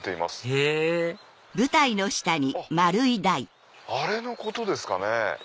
へぇあっあれのことですかね。